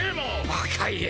バカ言え。